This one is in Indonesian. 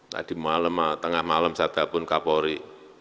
tadi malam tengah malam saya telepon kapolri